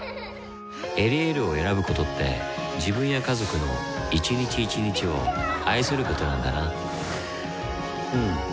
「エリエール」を選ぶことって自分や家族の一日一日を愛することなんだなうん。